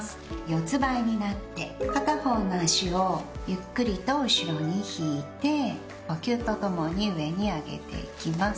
四つばいになって片方の足をゆっくりと後ろに引いて呼吸とともに上に上げていきます。